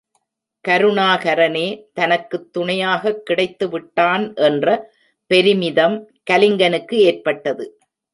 கருணாகரனே தனக்குத் துணையாகக் கிடைத்துவிட்டான் என்ற பெருமிதம் கலிங்கனுக்கு ஏற்பட்டது.